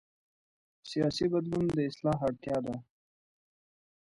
سیاسي بدلون د اصلاح اړتیا ده